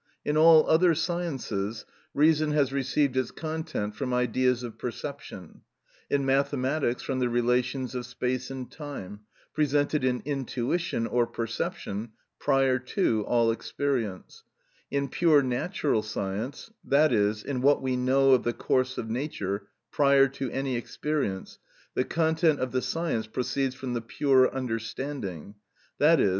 In all other sciences reason has received its content from ideas of perception; in mathematics from the relations of space and time, presented in intuition or perception prior to all experience; in pure natural science, that is, in what we know of the course of nature prior to any experience, the content of the science proceeds from the pure understanding, _i.e.